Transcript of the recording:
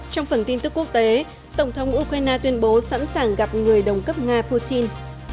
trong phần tin tức quốc tế tổng thống ukraine tuyên bố sẵn sàng gặp người đồng cấp nga putin